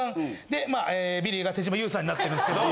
でまあビリが手島優さんになってるんですけど。